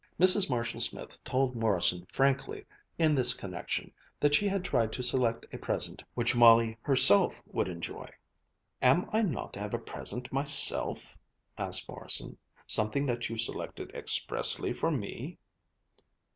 Mrs. Marshall Smith told Morrison frankly, in this connection, that she had tried to select a present which Molly herself would enjoy. "Am I not to have a present myself?" asked Morrison. "Something that you selected expressly for me?"